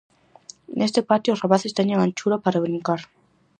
Neste patio os rapaces teñen anchura para brincar.